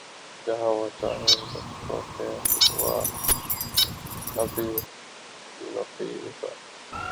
جہاں وہ چاہیئے مجھ کو کہ ہو ابھی نوخیز